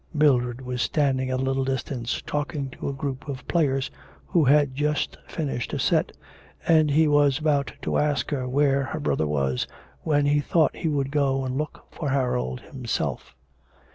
Mildred was standing at a little distance talking to a group of players who had just finished a set, and he was about to ask her where her brother was, when he thought he would go and look for Harold himself.